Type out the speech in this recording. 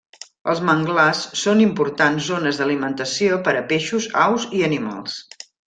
Els manglars són importants zones d'alimentació per a peixos, aus i animals.